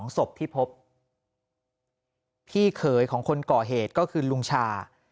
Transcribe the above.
ศพที่พบพี่เขยของคนก่อเหตุก็คือลุงชา